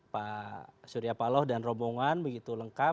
pak surya paloh dan rombongan begitu lengkap